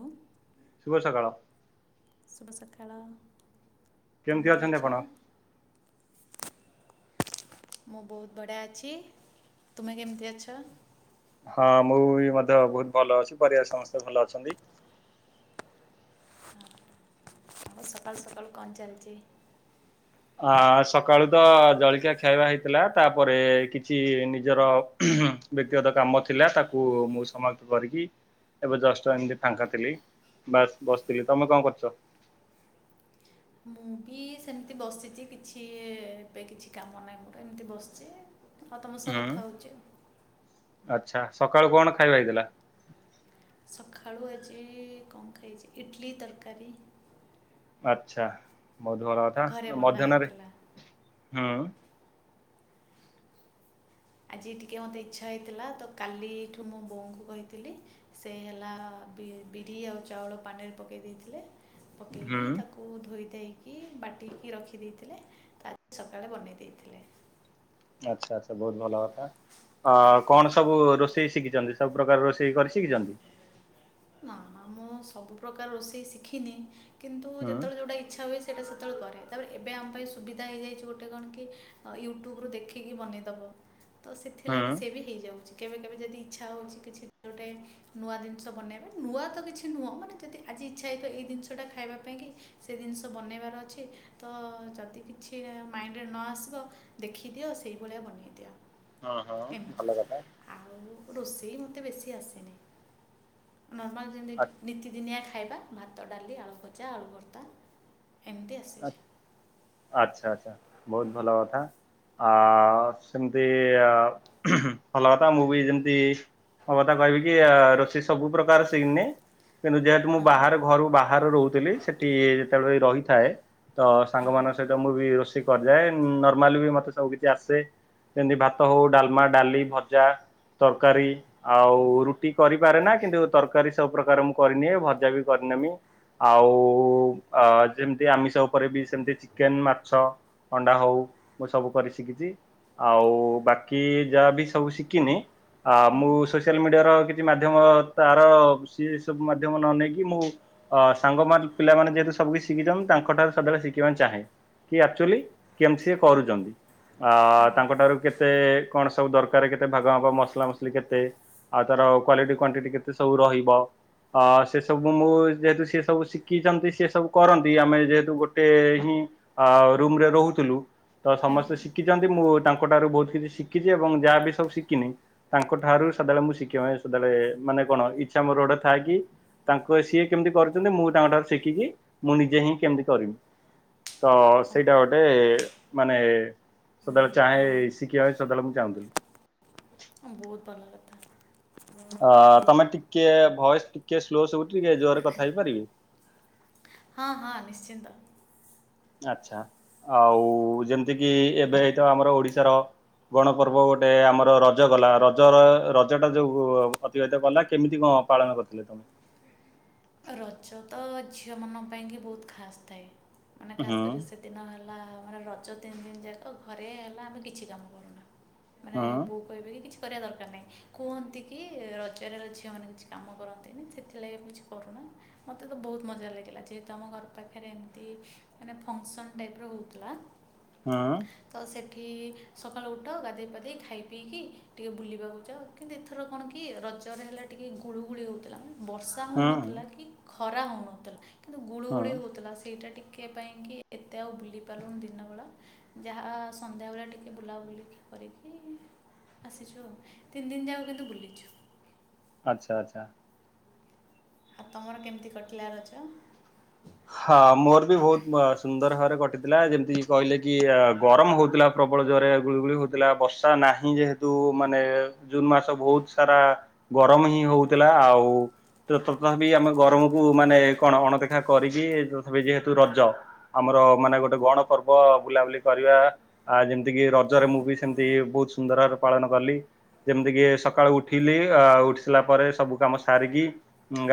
ହଁ। ଶୁଭ ସକାଳ। ଶୁଭ ସଖାଳ କେମିତି ଅଛନ୍ତି ଆପଣ? ଅଛ? ମୁଁ ବହୁତ ବଢ଼ିଆ ଅଛି ତୁମେ କେମିତି ଅଛ? ହଁ ମୁଁ ବି ମଧ୍ୟ ବହୁତ ଭଲ ଅଛି ପରିବାର ସମସ୍ତେ ଭଲ ଅଛନ୍ତି। ସକାଳୁ ସକାଳୁ କଣ ଚାଲିଛି? ଆ ସକାଳୁ ତ ଜଳିକିଆ ଖାଇବା ହେଇଥିଲା ତାପରେ କିଛି ନିଜର ବ୍ୟକ୍ତିଗତ କାମ ଥିଲା ତାକୁ ମୁଁ ସମାପ୍ତ କରିକି ଏବେ ଜଷ୍ଟ ଏମିତି ଫାଙ୍କା ଥିଲି ବାସ୍ ବସିଥିଲି ତମେ କଣ କରୁଛ? ମୁଁ ବି ସେମିତି ବସିଛି କିଛି ଏବେ କିଛି କାମ ନାହିଁ ମୋର ଏମିତି ବସିଛି ହଁ ତମସ ହୁଁ କଥା ହେଉଛି। ଆଚ୍ଛା ସକାଳୁ କଣ ଖାଇବା ହେଇଥିଲା? ସକାଳୁ ଆଜି କଣ ଖାଇଛି ଇଟଲି ତରକାରୀ। ଆଚଛା ମଧୁବର ଘରେ କଥା ବନା ମଧ୍ୟାହ୍ନରେ ହେଇଥିଲା ହୁଁ। ଆଜି ଟିକେ ମୋତେ ଇଚ୍ଛା ହେଇଥିଲା ତ କାଲିଠୁ ମୋ ବୋଉଙ୍କୁ କହିଥିଲି ସେ ହେଲା ବିରି ଆଉ ଚାଉଳ ପାଣିରେ ପକେଇ ଦେଇଥିଲେ ହୁଁ ପକେଇକି ତାକୁ କୁ ଧୋଇ ଦେଇକି ବାଟିକି ରଖିଦେଇଥିଲେ ତା ସକାଳେ ବନେଇ ଦେଇଥିଲେ। ଆଚ୍ଛା ଆଚ୍ଛା ବହୁତ ଭଲ କଥା। ଅ କଣ ସବୁ ରୋଷେଇ ଶିଖିଛନ୍ତି? ସବୁ ପ୍ରକାର ରୋଷେଇ କରି ଶିଖିଛନ୍ତି? ନା ନା ମୁଁ ସବୁପ୍ରକାର ରୋଷେଇ ଶିଖିନି କିନ୍ତୁ ହୁଁ ଯେତେବେଳେ ଜଉଟା ଇଚ୍ଛା ହୁଏ ସେଇଟା ସେତେବେଳେ କରେ ତାପରେ ଏବେ ଆମ ପାଇଁ ସୁବିଧା ହେଇଯାଇଛି ଗୋଟେ କଣ କି ୟୁଟ୍ୟୁବ୍ ରୁ ଦେଖ ଖିକି ବନେଇଦବ। ତ ହୁଁ ସେଥିଲାଗି ସେ ବି ହେଇଯାଉଛି କେବେ କେବେ ଯଦି ଇଚ୍ଛା ହେଉଛି କିଛି ଗୋଟେ ନୂଆ ଜିନିଷ ବନାଇବେ ନୂଆ ତ କିଛି ନୁହଁ ମାନେ ଯଦି ଆଜି ଇଚ୍ଛା ହତ ଏ ଜିନଷଟା ଖାଇବା ପାଇଁ କି ସେ ଜିନିଷ ବନେଇବାର ଅଛି ତ ଯଦି କିଛି ମାଇଣ୍ଡରେ ନ ଆସିବ ଦେଖିଦିଅ ସେଇଭଳିଆ ବନେଇ ଦିଅ। ହଁ ହଁ ଭଲ କଥା। ଆଉ ରୋଷେଇ ମୋତେ ବେଶୀ ଆସିନି। ନର୍ମାଲ ଆ ଯେମିତି ନିତିଦିନିଆ ଖାଇବା ଭାତ ଡାଲି ଆଳୁ ଭଜା ଆଳୁ ଭର୍ତ୍ତା। ଏମିତି ଆ ଆସିଛି। ଆଚ୍ଛା ଆଚ୍ଛା ବହୁତ ଭଲ କଥା। ଆ ସେମିତି ଅ ଭଲ କଥା ମୁଭି ଯେମିତି ମ କଥା କହିବି କି ଆ ରୋଷେଇ ସବୁ ପ୍ରକାର ସିନି। କିନ୍ତୁ ଯେହେତୁ ମୁଁ ହଁ ବାହାରେ ଘରୁ ବାହାରୁ ରହୁଥିଲି ସେଠି ଯେତେବେଳେ ରହିଥାଏ। ତ ହଁ ସାଙ୍ଗମାନଙ୍କ ସହିତ ମୁଁ ବି ରୋଷେଇ କରିଦାଏ ନର୍ମାଲି ବି ମତେ ସବୁ କିଛି ଆସେ। ଯେମିତି ଭାତ ହଉ ଡାଲମା ଡାଲି ଭଜା ତରକାରୀ। ଆଉ ରୁଟି କରିପାରେ ନା କିନ୍ତୁ ତରକାରୀ ସବୁ ପ୍ରକାର ମୁଁ କରିନିଏ ଭଜା ବି କରିନେମି। ଆଉ ଅ ଯେମିତି ଆମିଶ ପରେ ବି ସେମିତି ଚିକେନ ମାଛ ଅଣ୍ଡା ହଉ ମୁଁ ସବୁ କରି ଶିଖିଛି। ଆଉ ବାକି ଯାହା ବି ସବୁ ଶିଖିନି ଆ ହୁଁ ମୁଁ ସେ ସୋଆଲ ମିଡିଆର କିଛି ମାଧ୍ୟମ ତାର ସିଏ ସବୁ ମାଧ୍ୟମ ନ ନେଇକି ମୁଁ ଅ ସାଙ୍ଗମାନେ ପିଲାମାନେ ଯେହେତୁ ସବୁ କିିଛି ଶିଖିଛନ୍ତି ତାଙ୍କଠାରୁ ଳେ ଶିଖିବା ଚାହେଁ କି ଆଚୁଆଲି କେମତି କରୁଛନ୍ତି ଅ ହଁ ତାଙ୍କ ଠାରୁ କେ କେତେ କଣ ସବୁ ଦରକାର କେତେ ଭାଗ ଭାଗ ମସଲା ମସଲି କେତେ? ଆଉ ତାର କ୍ୱାଲିଟି କ୍ୱାଣ୍ଟିଟି କେତେ ସବୁ ରହିବ। ଅ ସେସବୁ ମୁଁ ଯେହେତୁ ସେ ସବୁ ଶିଖିଛନ୍ତି ସେ ସବୁ କରନ୍ତି ଆମେ ଯେହେତୁ ଗୋ ଗୋଟେ ହିଁ ଅ ରୁମରେ ରହୁଥିଲୁ ତ ହୁଁ ସମସ୍ତେ ଶିଖିଛନ୍ତି ମୁଁ ତା ଙ୍କ ଟାରୁ ବହୁତ କିଛି ଶିଖିଛି ଏବଂ ଯାହା ବି ସବୁ ଶିଖିନି ତାଙ୍କ ଠାରୁ ସଦାବେଳେ ମୁଁ ଶିଖିବା ପାଇଁ ସଦାବେଳେ ମାନେ କଣ ଇଛା ମୋର ଗୋଟେ ଥାଏ କି ତାଙ୍କ ସିଏ କେମିତି କରୁଛନ୍ତି ମୁଁ ତାଙ୍କ ଠାରୁ ଶିଖିକି ମୁଁ ନିଜେ ହିଁ କେମିତି କରବି। ତ ସେଇଟା ଓହୋ ଗୋଟେ ମାନେ ସଦାବେଳେ ଚାହେଁ ଶିଖିବା ପାଇଁ ସଦାବେଳେ ମୁଁ ଚାହୁଁଥିଲି। ବହୁତ ଭଲ କଥା। ଅ ତମେ ଟିକେ ଭଏସ ଟିକେ ସ୍ଲୋ ସବୁଚି ଟିକେ ଜୋରରେ କଥା ହେଇପାରିବ। ହଁ ହଁ ନିଶ୍ଚିନ୍ତ। ଆଛା ଆଉ ଯେମିତି କିି ଏବେ ଏତ ଆମର ଓଡିଶାର ଗଣପର୍ବ ଗୋଟେ ଆମର ରଜ ଗଲା ରଜର ରଜଟା ଯୋଉ ଲା କେମିତି କ ପାଳନ କରିଥିଲେ? ରଜ ତ ଝିଅ ମାନଙ୍କ ପାଇଁକି ବହୁତ ଖାସ୍ ଥାଏ ମାନେ ହୁଁ ଖାସ୍ କରି ସେ ଦିନ ହେଲା ମାନେ ରଜ ତିନି ଦିନ ଯାକ ଘରେ ହେଲା ଆମେ କିଛି କାମ କରୁନା। ମାନେ ହୁଁ ବୁ କହିବେ କିଛି କରିବା ଦରକାର ନାହିଁ, କୁହନ୍ତି କି ରଜରେ ଝିଅମାନେ କିଛି କାମ କରନ୍ତିନି ସେଥିଲାଗି କି କରୁନା ମୋତେ ତ ବହୁତ ମଜା ଲାଗିଲା ଯେହେତୁ ଆମ ଘର ପାଖରେ ଏମିତି ମାନେ ଫଙ୍କସନ୍ ଟାଇପର ହଉଥିଲା। ହଁ। ତ ସେଠି ସକାଳୁ ଉଠ ଗାଧୋଇ ପାାଧୋଇ ଖାଇ ପିଇକି ଟିକେ ବୁଲିବାକୁ ଯାଅ। କିନ୍ତୁ ଏଥର କଣ କି ରଜରେ ହେଲା ଟିକେ ଗୁଳୁଗୁଳି ହେଉଥିଲା ବର୍ଷା ବଷା ହୁଁ ହେଉନଥିଲା କି ଖରା ହେଉନଥିଲା କିନ୍ତୁ ହୁଁ ଗୁଳୁଗୁଳି ହେଉଥିଲା ସେଇଟା ଟିକେ କେ ପାଇଁ କି ଏତେ ଆଉ ବୁଲି ପାରୁନି ଦିନ ବେଳା ଯାହା ସନ୍ଧ୍ୟାବେଳେ ଟିକେ ବୁଲାବୁଲି କରିକି ଆସିଛୁ ଆଉ ତିନି ଦିନ ଯାକ କିନ୍ତୁ ବୁଲିଛୁ। ଆଚ୍ଛା ଆଚ୍ଛା। ଆଉ ତମର କେମିତି କଟିଲା ରଜ? ହଁ ମୋର ବି ବହୁତ ଅ ସୁନ୍ଦର ଭାବରେ କଟିଥିଲା ଯେମିତି କହିଲେ କି ଗରମ ହଉଥିଲା ପ୍ରବଳ ଜୋରେ ଗୁଳିଗୁଳି ହଉଥିଲା ବର୍ଷା ନାହିଁ ଯେହେତୁ ମାନେ ଜୁନ ମାସ ବହୁତ ସାରା ଗରମ ହିଁ ହଉଥିଲା ଆଉ ତଥାପି ଆମେ ଗରମକୁ ମାନେ କଣ ଅଣଦେଖା କରିକି [unintelligible] ଯେହେତୁ ରଜ ଆମର ମାନେ ଗୋଟେ ଗଣ ପର୍ବ ବୁଲାବୁଲି କରିବା ଆ ଯେମିତି କି ରଜରେ ମୁଁ ବି ସେମିତି ବହୁତ ସୁନ୍ଦର ପାଳନ କଲି। ଯେମିତି କି ସକାଳୁ ଉଠିଲି ଉଠିସିଲା ଆ ପରେ ସବୁ କାମ ସାରିକି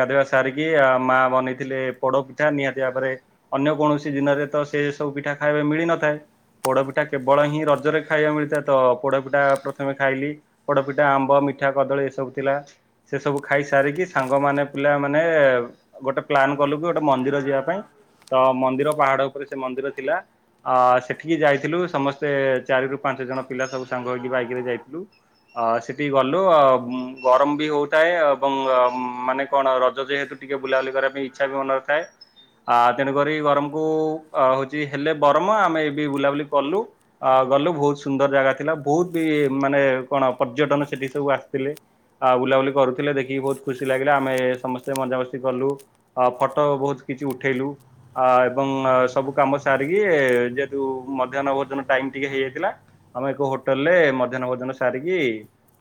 ଗାଧୋଇବା ସାରିକି ଆ ମା ବନେଇ ଥିଲେ ପୋଡ ପିଠା ନିହାତି ଭାବରେ ଅନ୍ୟ କୌଣସି ଦିନରେ ତ ସେ ସବୁ ପିଠା ଖାଇବା ମିଳିନଥାଏ। ପୋଡ଼ପିଠା କେବଳ ହିଁ ରଜରେ ଖାଇବା ମିଳିଥାଏ ତ ପୋଡ଼ପିଠା ପ୍ରଥମେ ଖାଇଲି। ପୋଡ଼ପିଠା, ଆମ୍ବ, ମିଠା କଦଳୀ ଏସବୁ ଥିଲା। ସେ ସବୁ ଖାଇ ସାରିକି ସାଙ୍ଗ ମାନେ ପିଲା ମାନେ ଗୋଟେ ପ୍ଲାନ ଗଲୁ କି ଗୋଟେ ମନ୍ଦିର ଯିବା ପାଇଁ ତ ମନ୍ଦିର ପାହାଡ଼ ଉପରେ ସେ ମନ୍ଦିର ଥିଲା। ଆ ସେଠିକି ଯାଇଥିଲୁ ସମସ୍ତେ ଚାରି ରୁ ପାଞ୍ଚ ଜଣ ପିଲା ସବୁ ସାଙ୍ଗ ହେଇକି ବାଇକ୍ ରେ ଯାଇଥିଲୁ। ଅ ସେଠିକି ଗଲୁ ଅ ଗରମ ବି ହଉଥାଏ ଏବଂ ଅ ମାନେ କଣ ରଜ ଯେହେତୁ ଟିକେ ବୁଲାବୁଲି କରିବା ପାଇଁ ଇଚ୍ଛା ବି ହୋଉ ନ ଥାଏ। ଆ ତେଣୁକରି ଗରମକୁ ଅ ହଉଚି ହେଲେ ବରମ ଆମେ ଏ ବି ବୁଲାବୁଲି କଲୁ। ଅ ଗଲୁ ବହୁତୁ ସୁନ୍ଦର ଜାଗା ଥିଲା ବହୁତି ମାନେ କଣ ପର୍ଯ୍ୟଟନ ସେଠି ସବୁ ଆସିଥିଲେ। ଆଉ ବୁଲାବୁଲି କରୁଥିଲେ ଦେଖିକି ବହୁତ୍ ଖୁସି ଲାଗିଲା ଆମେ ସମସ୍ତେ ମଜାମସ୍ତି କଲୁ। ଅ ଫଟ ବହୁତ୍ କିଛି ଉଠେଇଲୁ। ଆ ଏବଂ ଆ ସବୁ କାମ ସାରିକି ଯେହେତୁ ମଧ୍ୟାହ୍ନ ଭୋଜନ ଟାଇମ୍ ଟିକେ ହେଇଯାଇଥିଲା। ଆମେ ଏକ ହୋଟେଲ ରେ ମଧ୍ୟାହ୍ନ ଭୋଜନ ସାରିକି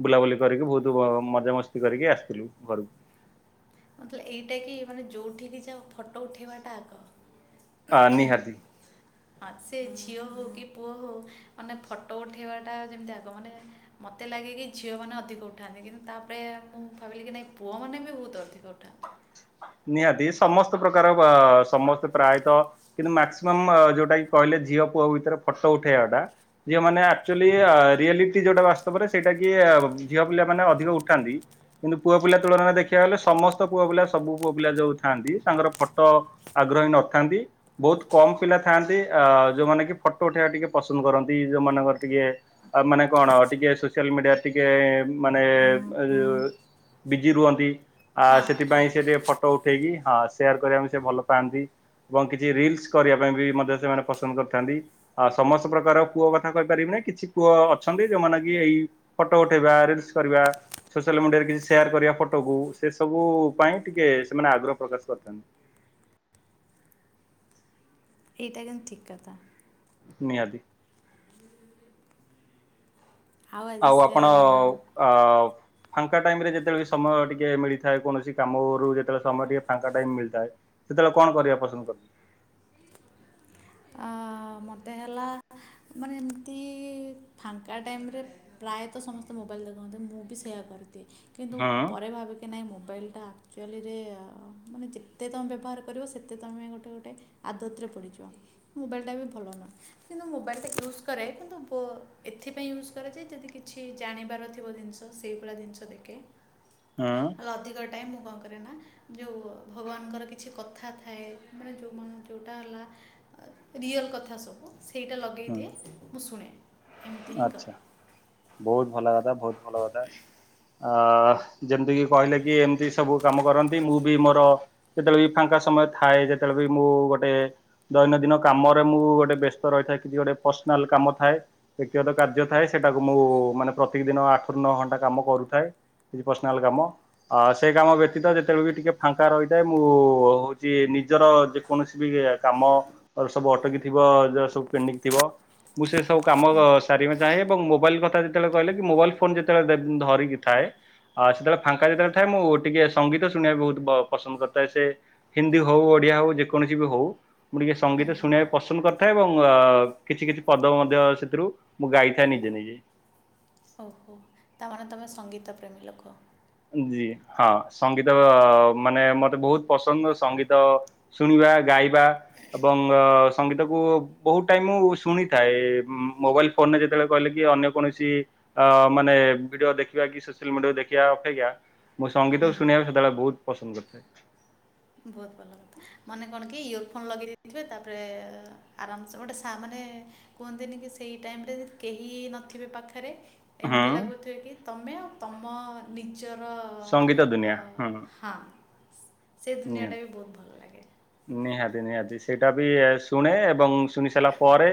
ବୁଲାବୁଲି କରିକି ବହୁତୁ ବ ମଜାମସ୍ତି କରିକି ଆସିଥିଲୁ ଘରୁକୁ। ମତେ ଲାଗେ ଏଇଟା କି ମାନେ ଯେଉଁଠିକି ଯାଅ ଫଟୋ ଉଠାଇବାଟା ଆଗ। ଅ ନିହାତି। ହଁ ସେ ଝିଅ ହଉ କି ପୁଅ ହଉ ମାନେ ଫଟୋ ଉଠେଇବା ଟା ଯେମିତି ଆଗ ମାନେ ମୋତେ ଲାଗେ କି ଝିଅମାନେ ଅଧିକ ଉଠାନ୍ତି କିନ୍ତୁ ତାପରେ ମୁଁ ଭାବିଲି କି ନାଇଁ ପୁଅମାନେ ବି ବହୁତୁ ଅଧିକ ଉଠା ନିହାତି ସମସ୍ତ ପ୍ରକାର ପା ସମସ୍ତେ ପ୍ରାୟତଃ କିନ୍ତୁ ମାକ୍ସିମମ୍ ଅ ଯୋଉଟା କି କିହିଲେ ଝିଅ ପୁଅ ଭିତରେ ଫଟୋ ଉଠେଇବାଟା ଝିଅମାନେ ଆକ୍ଚୁଆଲି ଆ ରିଆଲିଟି ଯୋଉଟା ବାସ୍ତବରେ ସେଇଟା କି ଝିଅ ପିଲା ମାନେ ଅଧିକ ଉଠାନ୍ତି। କିନ୍ତୁ ପୁଅ ପିଲା ତୁଳନାରେ ଦେଖିବାକୁ ଗଲେ ସମସ୍ତ ପୁଅ ପିଲା ସବୁ ପୁଅ ପିଲା ଯୋଉ ଥାନ୍ତି ତାଙ୍କର ଫଟୋ ଆଗ୍ରହୀ ନଥାନ୍ତି। ବହୁତ୍ କମ୍ ପିଲା ଥାଆନ୍ତି ଅ ଯୋଉମାନେ କି ଫଟୋ ଉଠେଇବା ଟିକେ ପସନ୍ଦ କରନ୍ତି ଯୋଉମାନଙ୍କର ଟିକେ ଆଉ ମାନେ କଣ ଟିକେ ସୋସିଆଲ ମିଡିଆରେ ଟିକେ ମାନେ ବିଜି ରୁହନ୍ତି ଆ ହଁ ହଁ ସେଥିପାଇଁ ସିଏ ଟିକେ ଫଟୋ ଉଠେଇକି ହଁ ସେୟାର କରିବା ପାଇଁ ସେ ଭଲ ପାଆନ୍ତି। ଏବଂ କିଛି ରିଲ୍ସ କରିବା ପାଇଁ ବି ମଧ୍ୟ ସେମାନେ ପସନ୍ଦ କରିଥାନ୍ତି। ଆ ସମସ୍ତ ପ୍ରକାର ପୁଅ କଥା କହିପାରିବିନେଇ କିଛି ପୁଅ ଅଛନ୍ତି ଯୋଉମାନେ କି ଏଇ ଫଟୋ ଉଠେଇବା ରିଲ୍ସ କରିବା ସୋସିଆଲ ମିଡିଆରେ କିଛି ସେୟାର କରିବା ଫଟୋକୁ ସେ ସବୁ ପାଇଁ ଟିକେ ସେମାନେ ଆଗ୍ରହ ପ୍ରକାଶ କରିଥାନ୍ତି। ଏଇଟା କିନ୍ତୁ ଠିକ୍ କଥା। ନିହାତି। ହୁଁ। ଆଉ ସେ ଆପଣ ଆଉ ହେଲା ଆଉ ଫାଙ୍କା ଟାଇମ୍ ରେ ଯେତେବେଳେ ବି ସମୟ ଟିକେ ମିଳିଥାଏ କୌଣସି କାମରୁ ଯେତବେଳେ ସମୟ ଟିକେ ଫାଙ୍କା ଟାଇମ୍ ମିଳିଥାଏ। ସେତବେଳେ କଣ କରିବା ପସନ୍ଦ କରି ଆ ମତେ ହେଲା ମାନେ ଏମିତି ଫାଙ୍କା ଟାଇମ୍ ରେ ପ୍ରାୟତଃ ସମସ୍ତେ ମୋବାଇଲ୍ ଦେଖନ୍ତି ମୁଁ ବି ସେୟା କରିଦିଏ କିନ୍ତୁ ହୁଁ ପରେ ଭାବି ନାଇଁ ମୋବାଇଲ୍ ଟା ଆକ୍ଚୁଅଲିରେ ମାନେ ଯେତେ ତମେ ବ୍ୟବହାର କରିବ ସେତେ ତମେ ଗୋଟେ ଗୋଟେ ଆଦତରେ ପଡ଼ିଯିବ ମୋବାଇଲ୍ ଟା ବି ଭଲ ନୁହେ କିନ୍ତୁ ମୋବାଇଲ୍ ଟା ୟୁଜ୍ କରେ କିନ୍ତୁ ପୁଅ ଏଥିପାଇଁ ୟୁଜ୍ କରେ ଯେ ଯଦି କିଛି ଜାଣିବାର ଥିବ ଜିନିଷ ସେଇଭଳିଆ ଜିନିଷ ଦେଖେ। ହଁ। ତ ଅଧିକ ଟାଇମ୍ ମୁଁ କଣ କରେ ନା ଯଉ ଭଗବାନଙ୍କର କିଛି କଥା ଥାଏ। ମାନେ ଯୋଉ ମନ ଯୋଉଟା ହେଲା ରିଅଲ କଥା କଥା ସବୁ ସେଇଟା ଲଗେଇ ଦିଏ ମୁଁ ଶୁଣେ। ଏମିତି ହିଁ ଆଛା କରେ ବହୁତ୍ ଭଲ କଥା ବହୁତ୍ ଭଲ କଥା। ଅ ଯେମିତିକି କହିଲେ କି ଏମିତି ସବୁ କାମ କରନ୍ତି ମୁଁ ବି ମୋର ଯେତେବେଳେ ବି ଫାଙ୍କା ସମୟ ଥାଏ ଯେତେବେଳେ ବି ମୁଁ ଗୋଟେ ଦୈନନ୍ଦିନ କାମରେ ମୁଁ ଗୋଟେ ବ୍ୟସ୍ତ ରହିଥାଏ କିଛି ଗୋଟେ ପର୍ସନାଲ୍ କାମ ଥାଏ। ବ୍ୟକ୍ତି ଗତ କାର୍ଯ୍ୟ ଥାଏ ସେଇଟାକୁ ମୁଁ ମାନେ ପ୍ରତେକ୍ ଦିନ ଆଠରୁ ନଅ ଘଣ୍ଟା କାମ କରୁଥାଏ। କିଛି ପ୍ରଶନାଲ୍ କି କଣ? ସେ କାମ ବ୍ୟତୀତ ଯେତେବେଳେ ବି ଟିକେ ଫାଙ୍କା ରହିଥାଏ ମୁଁ ହଉଚି ନିଜର ଯେ କୌଣସି ବି କାମ ସବୁ ଅଟକି ଥିବ ଯେ ସବୁ ପେଣ୍ଡିଙ୍ଗ ଥିବ ମୁଁ ସେ ସବୁ ଆମ ହୁଁ ସାରିବା ଚାହେଁ ଏବଂ ମୋବାଇଲ କଥା ଯେତେବେଳେ କହିଲେ କି ମୋବାଇଲ ଫୋନ ଯେତେ ଧରିକି ଥାଏ। ଆଉ ସେତେବେଳେ ଫାଙ୍କା ଯେତେବେଳେ ଥାଏ ମୁଁ ଟିକେ ସଙ୍ଗୀତ ଶୁଣିବାକୁ ବୋହୁତ ପସନ୍ଦ କରିଥାଏ। ସେ ହିନ୍ଦୀ ହଉ ଓଡ଼ିଆ ହଉ ଯେକୌଣସି ବି ହଉ। ମୁଁ ଟିକେ ହୁଁ ସଙ୍ଗୀତ ହୁଁ ଶୁଣିବାକୁ ପସନ୍ଦ କରିଥାଏ, ଏବଂ କିଛି କିଛି ପଦବ ମଧ୍ୟ ରୁ ମୁଁ ଗାଇଥା [unintelligible] ହଉ ହଉ ତାମାନେ ତୁମେ ସଙ୍ଗୀତ ପ୍ରେମୀ ଲୋକ। ଜି ହଁ ସଙ୍ଗୀତ ମାନେ ମତେ ବୋହୁତ ପସନ୍ଦ ସଙ୍ଗୀତ ଶୁଣିବା ଗାଇବା। ଏବଂ ସଙ୍ଗୀତକୁ ବୋହୁତ ଟାଇମ ମୁଁ ଶୁଣିଥାଏ, ମୋବାଇଲ ଫୋନ୍ ରେ ଯେତେବେଳେ କହିଲେ କି ଅନ୍ୟ କୌଣସି ମାନେ ଭିଡ଼ିଓ ଦେଖିବା କି ସୋସିଆଲ ମିଡ଼ିଆକୁ ଦେଖିବା ଆଜ୍ଞା ମୁଁ ସଙ୍ଗୀତକୁ ହୁଁ ଶୁଣିବାକୁ ସେତେବେଳେ ବୋହୁତ ପସନ୍ଦ କରିଥାଏ ବୋହୁତ ଭଲ କଥା। ମାନେ କଣ କି ଇୟର ଫୋନ ଲଗେଇ ଦେଇେଇଥିବେ ତାପରେ ଆରାମସ ଗୋଟେ ସା ମାନେ କୁହନ୍ତିନି କି ସେଇ ଟାଇମ୍ ରେ କେହି ନଥିବେ ପାଖରେ ଏମିତି ହଁ ଲାଗୁଥିବେ କି ତମେ ଆଉ ତମ ନିଜର ସଙ୍ଗୀତ ଦୁନିଆ ହଁ ସେ ନିହାତି ଦୁନିଆଟା ବି ବୋହୁତ ଭଲ ଲାଗେ। ନିହାତି ନିହାତି ସେଇଟା ବି ଶୁଣେ ଏବଂ ଶୁଣି ସାରିଲା ପରେ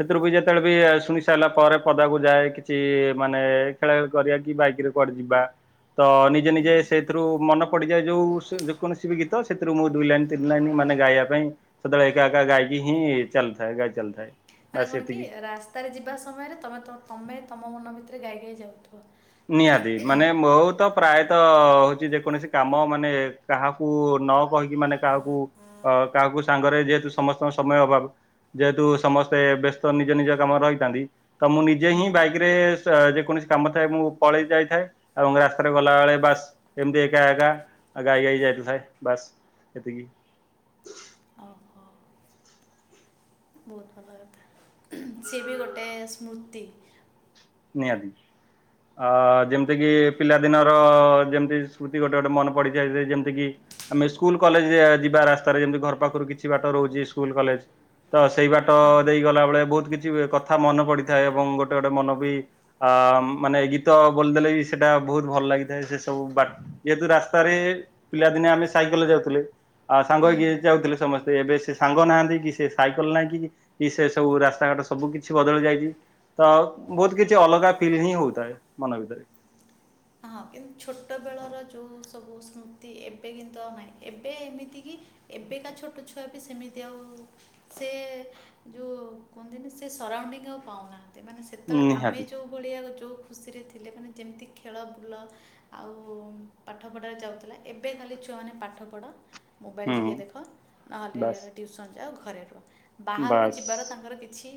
ସେଥିରୁ ବି ଯେତେବେଳେ ବି ଶୁଣି ସାରିଲା ପରେ ପଦାକୁ ଯାଏ କିଛି ମାନେ ଖେଳା ଖେଳି କରିବା କି ବାଇକରେ କୁଆଡେ ଯିବା ତ ନିଜେ ନିଜେ ସେଇଥିରୁ ମନେ ପଡିଯାଏ ଯୋଉ କୌଣସି ବି ଗୀତ ସେଥିରୁ ମୁଁ ଦୁଇ ଲାଇନ୍ ତିନ ଲାଇନ୍ ମାନେ ଗାଇବା ପାଇଁ ସେତେବେଳେ ଏକା ଏକା ଗାଈକି ହିଁ ଚାଲଥାଏ ଗାଈ ଚାଲଥାଏ। ମାନେ କଣ କି ରାସ୍ତାରେ ଯିବା ସମୟରେ ତମେ ତମେ ତମ ମନ ଭିତରେ ଗାଇ ଗାଇ ଯାଉଥିବ। ନିହାତି ମାନେ ବୋହୁତ ହଁ ପ୍ରାୟତ ହଉଛି ଯେକୌଣସି କାମ ମାନେ କାହାକୁ ନ କହିକି ମାନେ କାହାକୁ ଅ କାହାକୁ ସାଙ୍ଗରେ ଯେହେତୁ ସମସ୍ତଙ୍କ ସମୟ ଅଭାବ। ଯେହେତୁ ସମସ୍ତେ ବ୍ୟସ୍ତ ନିଜ ନିଜ କାମରେ ରହିଥାନ୍ତି। ତ ମୁଁ ନିଜେ ହୁଁ ହିଁ ବାଇକ ରେ ଯେକୌଣସି କାମ ଥାଏ ମୁଁ ପଳେଇ ଯାଇଥାଏ ଏବଂ ରାସ୍ତାରେ ଗଲାବେେଳେ ବାସ୍ ଏମିତି ଏକା ଏକା ଆ ଗାଈ ଗାଈ ଯାଇଥାଏ ବାସ ଏତିକି। ଓ ହୋ। ବୋହୁତ ଭଲ କଥା ସିଏ ବି ଗୋଟେ ସ୍ମୃତି। ନିହାତୀ। ଅ ଯେମିତିକି ପିଲାଦିନର ଯେମିତି ସ୍ମୃତି ଗୋଟେ ଗୋଟେ ମନେ ପଡିଯାଇ, ଯେମିତି କିି ଆମେ ସ୍କୁଲ କଲେଜ ଯିବା ରାସ୍ତାରେ ଯେମିତି ଘର ପାଖରୁ କିଛି ବାଟ ରହୁଚି ସ୍କୁଲ କଲେଜ। ତ ସେଇ ବାଟ ହଁ ଦେଇ ଗଲା ବେଳେ ବୋହୁତ କିଛି କଥା ମନେ ପଡିଥାଏ ଏବଂ ଗୋଟେ ଗୋଟେ ମନ ବି ଅ ମାନେ ଗୀତ ବଦେଲେ ବି ସେଇଟା ବୋହୁତ ଭଲ ଲାଗିଥାଏ ସେ ସବୁ ବା ଯେହେତୁ ରାସ୍ତାରେ ପିଲାଦିନେ ଆମେ ସାଇକେଲରେ ଯାଉଥିଲେ। ଆଉ ସାଙ୍ଗ ହୁଁ ହେଇକି ଯାଉଥିଲେ ସମସ୍ତେ, ଏବେ ସେ ସାଙ୍ଗ ନାହାନ୍ତି କି ସେ ସାଇକେଲ ନାହିଁ କି। କି ସେ ସବୁ ରାସ୍ତା ଘାଟ ସବୁ କିଛି ବଦଳି ଯାଇଚି, ତ ବୋହୁତ କିଛି ଅଲଗା ଫିଲ୍ ହିଁ ହୋଉଥାଏ ମନ ଭିତରେ। ହଁ କିନ୍ତୁ ଛୋଟବେଳର ଯେଉଁ ସବୁ ସ୍ମୃତି ଏବେ କିନ୍ତୁ ନାହିଁ ଏବେ ଏମିତି କିି ଏବେକା ଛୋଟ ଛୁଆ ବି ସେମିତି ଆଉ ସେ ଯୋଉ କୁହନ୍ତିନି ସେ ସରାଉଣ୍ଡିଙ୍ଗ ଆଉ ପାଉନା। ମାନେ ସେତେଳେ ଆମେ ନିହାତି ଯେଉଁ ଭଳିଆ ଯେଉଁ ଖୁସିରେ ଥିଲେ ମାନେ ଯେମିତି କି ଖେଳ ବୁଲ ଆଉ ପାଠ ପଢ଼ାରେ ଯାଉଥିଲା ଏବେ ଖାଲି ଛୁଆମାନେ ପାଠ ପଢ଼। ମୋବାଇଲ ହୁଁ ଟିକେ ଦେଖ ଆ ବାସ୍ ହେଲେ ଟିଉସନ୍ ଯାଅ ଘରେ ରୁହ। ବାହାରକୁ ବାସ୍ ଯିବାର ତାଙ୍କର କିଛି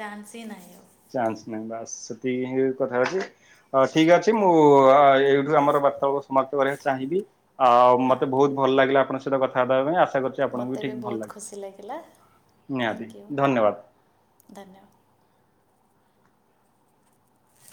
ଚାନ୍ସ ହିଁ ନାହିଁ ଆଉ। ଚାନ୍ସ ନାହିଁ ବାସ୍ ସେତିକି କଥା ହଉଛି। ହଁ ଠିକ ଅଛି ମୁଁ ଏଇଠୁ ଆମର ବାର୍ତ୍ତାଳାପକୁ କୁ ସମାପ୍ତ କରିବାକୁ ଚାହିଁବି। ଆଉ ହଁ ମୋତେ ବହୁତ ଭଲ ଲାଗିଲା ଆପଣଙ୍କ ସହିତ କଥାବାର୍ତ୍ତାବା ପାଇଁ ଆଶା କରୁଛି ଆପଣଙ୍କୁ ମୋତେ ବି ଠିକ ଭଲ ବହୁତ ଲାଗିବ। ଖୁସି ଲାଗିଲା ନିହାତି ଧନ୍ୟବାଦ। ଧନ୍ୟବାଦ।